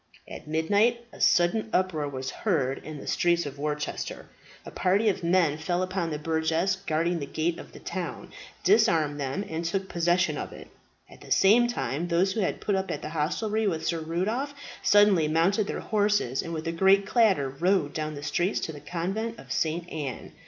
At midnight a sudden uproar was heard in the streets of Worcester. A party of men fell upon the burgesses guarding the gate of the town, disarmed them, and took possession of it. At the same time those who had put up at the hostelry with Sir Rudolph suddenly mounted their horses, and with a great clatter rode down the streets to the Convent of St. Anne.